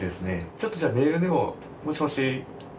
ちょっとじゃあメールでももしもし。